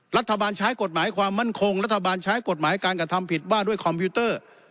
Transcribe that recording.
รัฐบาลใช้กฎหมายความมั่นคงรัฐบาลใช้กฎหมายการกระทำผิดว่าด้วยคอมพิวเตอร์